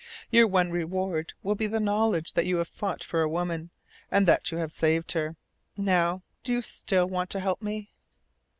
Your one reward will be the knowledge that you have fought for a woman, and that you have saved her. Now, do you still want to help me?'